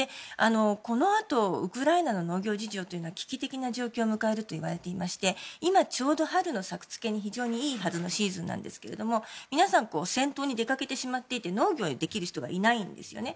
このあと、ウクライナの農業事業というのは危機的な状況を迎えるといわれていまして今、ちょうど春の作付けに非常にいいはずのシーズンですが皆さん、戦闘に出かけてしまっていて農業ができる人がいないんですね。